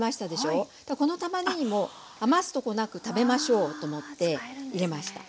このたまねぎも余すとこなく食べましょうと思って入れました。